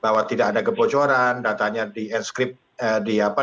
bahwa tidak ada kebocoran datanya di enscript di apa